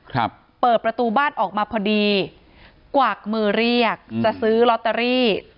ครับเปิดประตูบ้านออกมาพอดีกวักมือเรียกจะซื้อลอตเตอรี่